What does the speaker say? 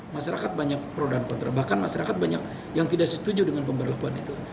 masyarakat banyak pro dan kontra bahkan masyarakat banyak yang tidak setuju dengan pemberlakuan itu